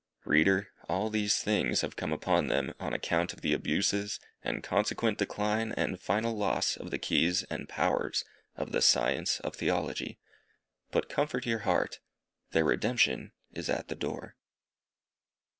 Reader, _all these things have come upon them, on account of the abuses, the consequent decline, and final loss of the keys and powers, of the science of Theology_. But comfort your heart, their redemption is at the door.